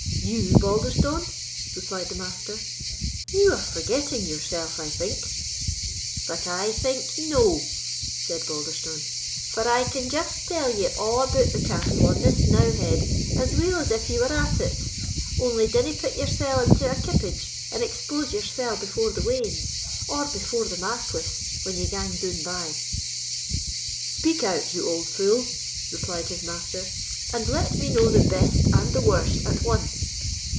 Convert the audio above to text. "You, Balderstone!" replied the Master; "you are forgetting yourself, I think." "But I think no," said Balderstone; "for I can just tell ye a' about the castle on this knowe head as weel as if ye were at it. Only dinna pit yoursell into a kippage, and expose yoursell before the weans, or before the Marquis, when ye gang down bye." "Speak out, you old fool," replied his master, "and let me know the best and the worst at once."